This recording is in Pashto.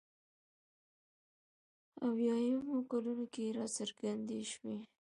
اویایمو کلونو کې راڅرګندې شوې.